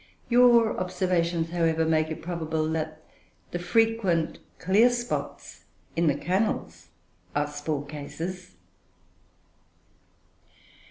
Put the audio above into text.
Your observations, however, make it probable that the frequent clear spots in the cannels are spore cases."